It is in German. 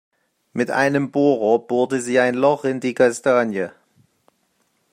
Mit einem Bohrer bohrte sie ein Loch in die Kastanie.